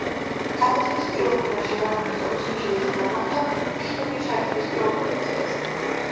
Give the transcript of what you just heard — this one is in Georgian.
გამოცემის პირველ კვირაში მან ოქროს სტატუსი შეიძინა და მოხვდა ფინური ჩარტების პირველ პოზიციაზე.